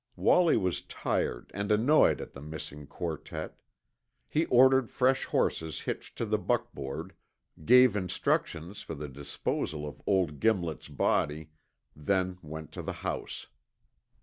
Wallie was tired and annoyed at the missing quartet. He ordered fresh horses hitched to the buckboard, gave instructions for the disposal of old Gimlet's body, then went to the house.